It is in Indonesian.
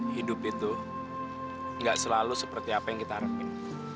hidup itu gak selalu seperti apa yang kita harapkan